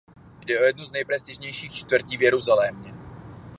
Jde o jednu z nejprestižnějších čtvrtí v Jeruzalémě.